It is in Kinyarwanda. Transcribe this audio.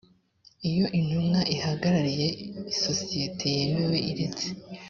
iyo intumwa ihagarariye isosiyete yemewe iretse